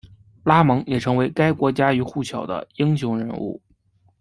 拉蒙也成为该国家喻户晓的英雄人物。